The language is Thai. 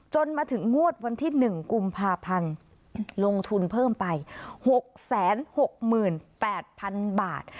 มาถึงงวดวันที่๑กุมภาพันธ์ลงทุนเพิ่มไป๖๖๘๐๐๐บาท